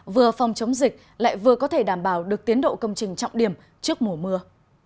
vừa phòng chống dịch lại vừa có thể đảm bảo được tiến độ công trình trọng điểm trước mùa mưa